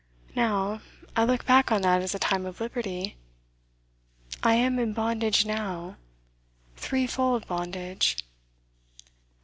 Now, I look back on that as a time of liberty. I am in bondage, now threefold bondage.